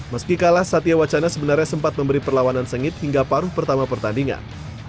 meski kalah satya wacana sebenarnya sempat memberi perlawanan sengit hingga paruh pertama pertandingan